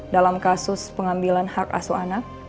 dalam kasus pengambilan hak asuh anak